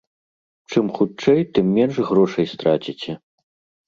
Чым хутчэй, тым менш грошай страціце.